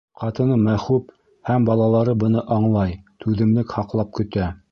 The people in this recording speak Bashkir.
Ҡатыны Мәхүб һәм балалары быны аңлай, түҙемлек һаҡлап көтә.